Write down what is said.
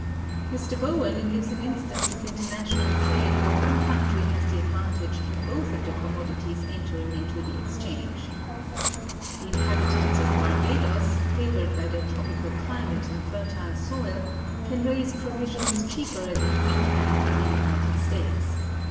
Mr. Bowen(263) gives an instance of international trade where one country has the advantage in both of the commodities entering into the exchange: "The inhabitants of Barbadoes, favored by their tropical climate and fertile soil, can raise provisions cheaper than we can in the United States.